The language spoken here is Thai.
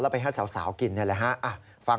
ไปให้สาวกินนี่แหละฮะ